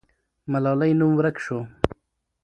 ملالۍ نوم ورک سو.